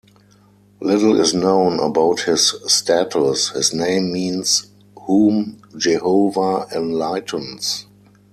Little is known about his status; his name means: 'whom Jehovah enlightens'.